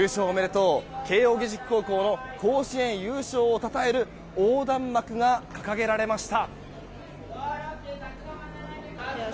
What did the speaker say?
と慶応義塾高校の甲子園優勝をたたえる横断幕が掲げられました。